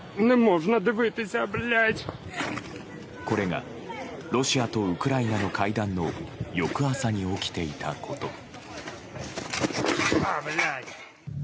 これがロシアとウクライナの会談の翌朝に起きていたこと。